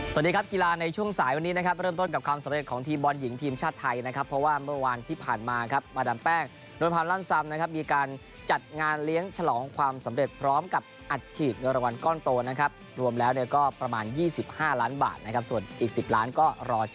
สวัสดีครับกีฬาในช่วงสายวันนี้นะครับเริ่มต้นกับความสำเร็จของทีมบอลหญิงทีมชาติไทยนะครับเพราะว่าเมื่อวานที่ผ่านมาครับมาดามแป้งนวลพันธ์ลั่นซ้ำนะครับมีการจัดงานเลี้ยงฉลองความสำเร็จพร้อมกับอัดฉีดเงินรางวัลก้อนโตนะครับรวมแล้วเนี่ยก็ประมาณ๒๕ล้านบาทนะครับส่วนอีก๑๐ล้านก็รอจะ